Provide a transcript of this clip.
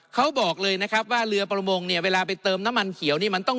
เขาบอกเลยนะครับว่าเรือประมงเนี่ยเวลาไปเติมน้ำมันเขียวนี่มันต้อง